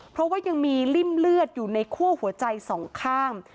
เพราะว่ายังมีริ่มเลือดอยู่ในคั่วหัวใจสองข้าง